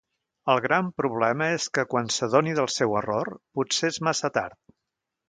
El gran problema és que, quan s'adoni del seu error, potser és massa tard.